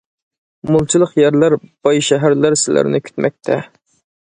مولچىلىق يەرلەر، باي شەھەرلەر سىلەرنى كۈتمەكتە.